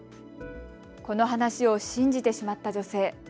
この話を信じてしまった女性。